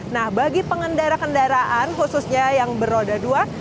nah bagi pengendara kendaraan khususnya yang beroda dua